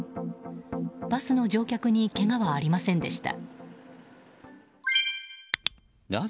バスの乗客にけがはありませんでした。